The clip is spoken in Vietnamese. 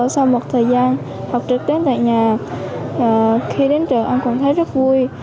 sau một thời gian học trực đến tại nhà khi đến trường em cũng thấy rất vui